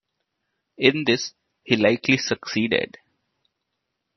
In this he likely succeeded.